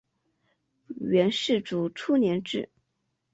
元世祖初年置。